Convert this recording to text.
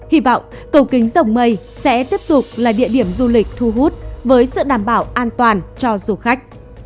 hy vọng cầu kính dòng mây sẽ tiếp tục là địa điểm du lịch thu hút với sự đảm bảo an toàn cho du khách